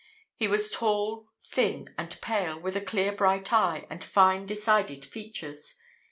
He was tall, thin, and pale, with a clear bright eye, and fine decided features.